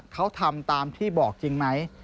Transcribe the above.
เขาทำตามที่บอกจริงไหม